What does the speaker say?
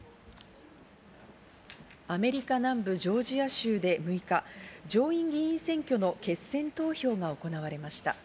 アメリカ南部ジョージア州で６日、上院議員選挙の決選投票が行われました。